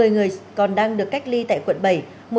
một mươi người còn đang được cách ly tại huyện củ chi